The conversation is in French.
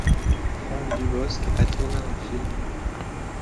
Franck Dubosc a tourné un film.